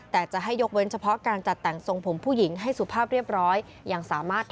แต่จะให้ยกเว้นเฉพาะการตัดแต่ง